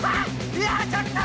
いやちょっと。